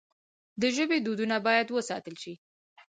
د ژبې دودونه باید وساتل سي.